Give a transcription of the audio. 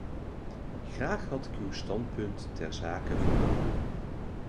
Graag had ik uw standpunt terzake vernomen.